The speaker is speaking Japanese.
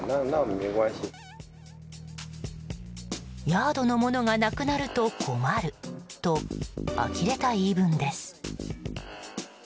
ヤードのものがなくなると困ると、あきれた言い分です。